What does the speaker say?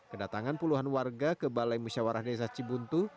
kedatangan puluhan warga ke balai musyawarah desa cibuntu